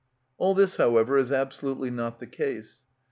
All this, however, is absolutely not the case.